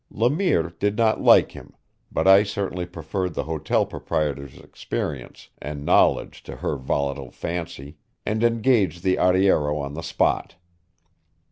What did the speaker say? Le Mire did not like him, but I certainly preferred the hotel proprietor's experience and knowledge to her volatile fancy, and engaged the arriero on the spot.